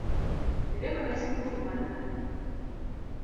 Idekone sikul manade?